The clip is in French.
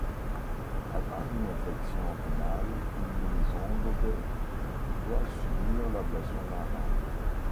Atteint d'une infection rénale, Louison Bobet doit subir l'ablation d'un rein.